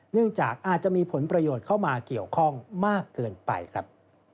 เนื่องจากอาจจะมีผลประโยชน์เข้ามาเกี่ยวข้องมากเกินไปครับ